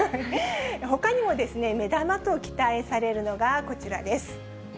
ほかにも目玉と期待されるのがこちらです。